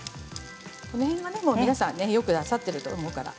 その辺は皆さんよくなさっていると思うから。